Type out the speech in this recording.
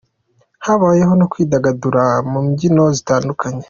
Habayeho no kwidagadura mu mbyino zitandukanye.